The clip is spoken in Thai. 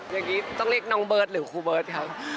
อย่างนี้ต้องเรียกน้องเบิร์ตหรือครูเบิร์ตครับ